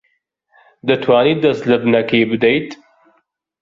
دەتوانیت دەست لە بنەکەی بدەیت؟